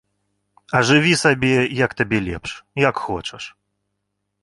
А жыві сабе, як табе лепш, як хочаш.